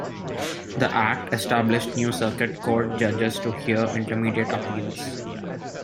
The Act established new circuit court judges to hear intermediate appeals.